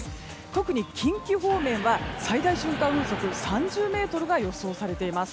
特に近畿方面は最大瞬間風速３０メートルが予想されています。